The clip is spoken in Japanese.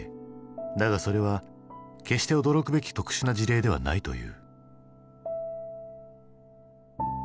だがそれは決して驚くべき特殊な事例ではないという。